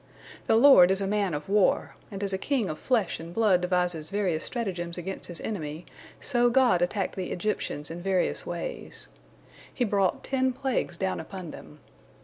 The Lord is a man of war, and as a king of flesh and blood devises various stratagems against his enemy, so God attacked the Egyptians in various ways. He brought ten plagues down upon them.